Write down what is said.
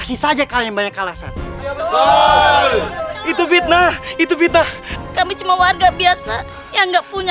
sampai jumpa di video selanjutnya